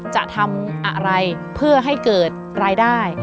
จะทำอะไรเพื่อให้เกิดรายได้